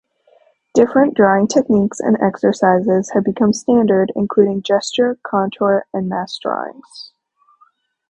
Different drawing techniques and exercises have become standard, including gesture, contour, and mass drawings.